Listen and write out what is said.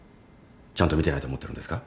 ちゃんと見てないと思ってるんですか？